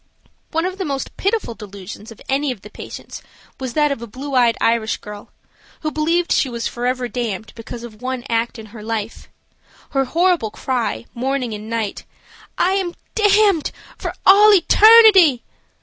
One of the most pitiful delusions of any of the patients was that of a blue eyed Irish girl, who believed she was forever damned because of one act in her life. Her horrible cry, morning and night, "I am damned for all eternity!"